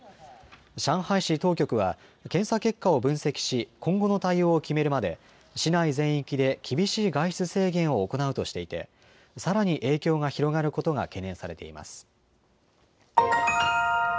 上海市当局は検査結果を分析し今後の対応を決めるまで市内全域で厳しい外出制限を行うとしていてさらに影響が広がることが懸念されています。